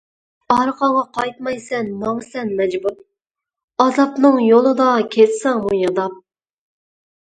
ئارقاڭغا قايتمايسەن ماڭىسەن مەجبۇر، ئازابنىڭ يولىدا كەتسەڭمۇ ياداپ.